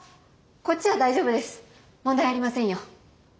問題ありませんよ。